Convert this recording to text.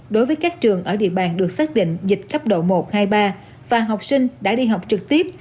đối với các trường ở địa bàn được xác định dịch cấp độ một hai ba và học sinh đã đi học trực tiếp